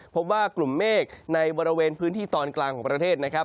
พบว่ากลุ่มเมฆในบริเวณพื้นที่ตอนกลางของประเทศนะครับ